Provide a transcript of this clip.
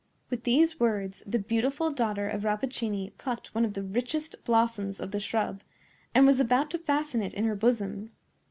With these words the beautiful daughter of Rappaccini plucked one of the richest blossoms of the shrub, and was about to fasten it in her bosom.